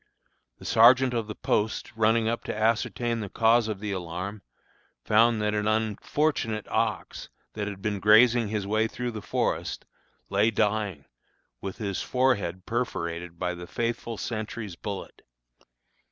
The sergeant of the post, running up to ascertain the cause of the alarm, found that an unfortunate ox, that had been grazing his way through the forest, lay dying, with his forehead perforated by the faithful sentry's bullet.